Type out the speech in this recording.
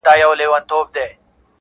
جام د میني راکړه,